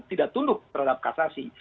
tidak tunduk terhadap kasasi